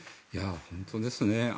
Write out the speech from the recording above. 本当ですね。